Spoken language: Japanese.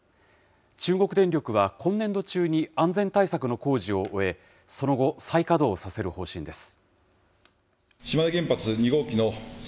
中国電力は、今年度中に安全対策の工事を終え、その後、再稼働させる方針です。